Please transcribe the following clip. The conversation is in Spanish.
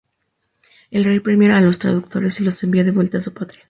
El rey premia a los traductores y los envía de vuelta a su patria.